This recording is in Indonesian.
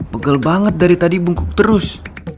pegel banget dari tadi bungkuk terus